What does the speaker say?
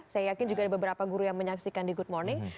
saya yakin juga ada beberapa guru yang menyaksikan di good morning